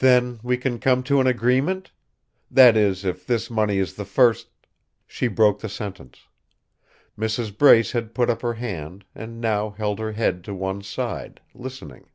"Then, we can come to an agreement? That is, if this money is the first " She broke the sentence. Mrs. Brace had put up her hand, and now held her head to one side, listening.